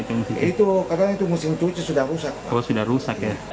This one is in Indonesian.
itu kadangnya mesin cuci sudah rusak